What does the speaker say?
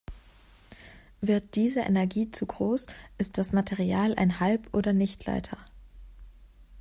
Wird diese Energie zu groß, ist das Material ein Halb- oder Nichtleiter.